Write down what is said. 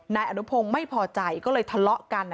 นายอนุพงศ์ไม่พอใจก็เลยทะเลาะกัน